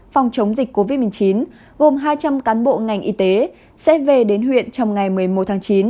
phòng chống dịch covid một mươi chín gồm hai trăm linh cán bộ ngành y tế sẽ về đến huyện trong ngày một mươi một tháng chín